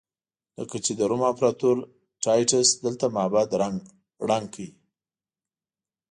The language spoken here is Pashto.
کله چې د روم امپراتور ټایټس دلته معبد ړنګ کړ.